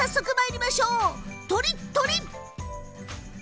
とりっとり！